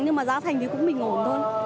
nhưng mà giá thành thì cũng bình ổn thôi